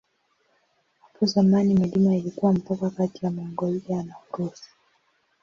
Hapo zamani milima ilikuwa mpaka kati ya Mongolia na Urusi.